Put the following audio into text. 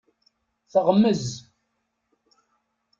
Teɣmez.